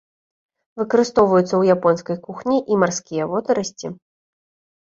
Выкарыстоўваюцца ў японскай кухні і марскія водарасці.